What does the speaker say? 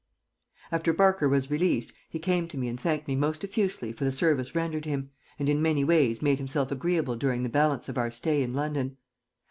After Barker was released he came to me and thanked me most effusively for the service rendered him, and in many ways made himself agreeable during the balance of our stay in London.